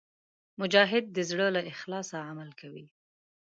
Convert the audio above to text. مجاهد د زړه له اخلاصه عمل کوي.